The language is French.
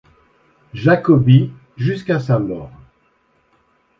Jacobi jusqu'à sa mort.